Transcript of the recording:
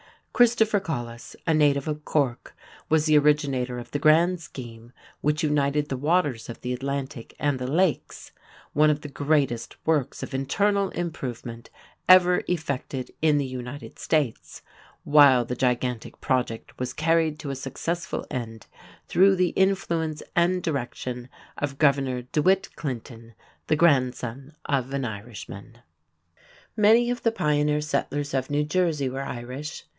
Christopher Colles, a native of Cork, was the originator of the grand scheme which united the waters of the Atlantic and the Lakes one of the greatest works of internal improvement ever effected in the United States while the gigantic project was carried to a successful end through the influence and direction of Governor DeWitt Clinton, the grandson of an Irishman. Many of the pioneer settlers of New Jersey were Irish.